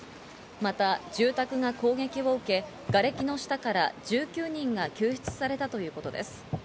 また住宅が攻撃を受け、がれきの下から１９人が救出されたということです。